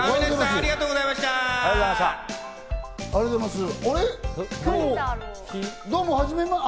ありがとうございます。